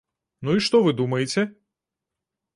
Ну і што вы думаеце?